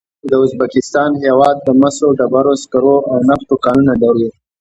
د ازبکستان هېواد د مسو، ډبرو سکرو او نفتو کانونه لري.